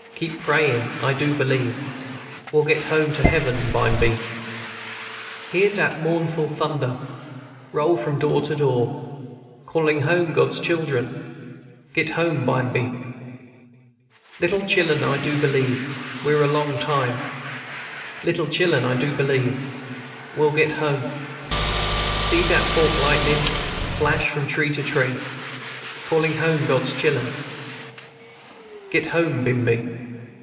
Keep prayin', I do believe We'll get home to heaven bimeby. "Hear dat mournful thunder Roll from door to door, Calling home God's children; Get home bimeby. Little chil'en, I do believe We're a long time, &c. Little chil'en, I do believe We'll get home, &c. "See dat forked lightnin' Flash from tree to tree, Callin' home God's chil'en; Get home bimeby.